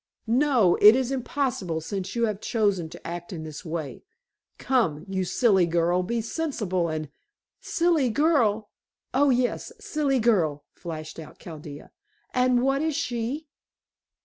"No. It is impossible, since you have chosen to act in this way. Come, you silly girl, be sensible, and " "Silly girl! Oh, yes, silly girl," flashed out Chaldea. "And what is she?"